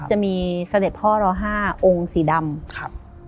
จะมีเสด็จพ่อเรา๕องค์สีดำ